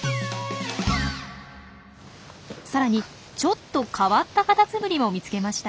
さらにちょっと変わったカタツムリも見つけました。